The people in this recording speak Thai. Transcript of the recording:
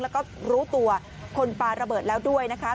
แล้วก็รู้ตัวคนปลาระเบิดแล้วด้วยนะคะ